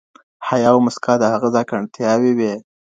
حیا او موسکا د هغه ځانګړتیاوې وې.